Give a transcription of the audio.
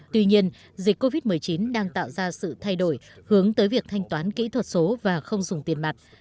tuy nhiên dịch covid một mươi chín đang tạo ra sự thay đổi hướng tới việc thanh toán kỹ thuật số và không dùng tiền mặt